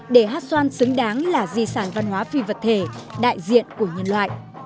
để hát xoan xứng đáng là di sản văn hóa phi vật thể đại diện của nhân loại